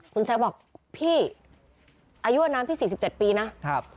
คุณแซคบอกพี่อายุอนามพี่๔๗ปีนะ